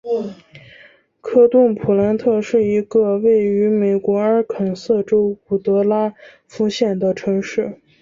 科顿普兰特是一个位于美国阿肯色州伍德拉夫县的城市。